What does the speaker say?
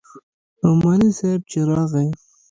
نعماني صاحب چې راغى.